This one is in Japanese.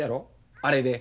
あれで。